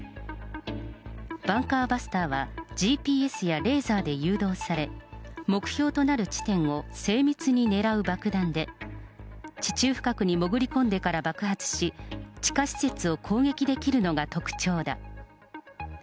バンカーバスターは、ＧＰＳやレーザーで誘導され、目標となる地点を精密に狙う爆弾で、地中深くに潜り込んでから爆発し、地下施設を攻撃できるのが特徴だ。